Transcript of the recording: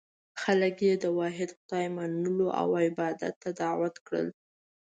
خلک یې د واحد خدای منلو او عبادت ته دعوت کړل.